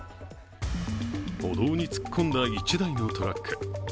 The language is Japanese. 歩道に突っ込んだ１台のトラック。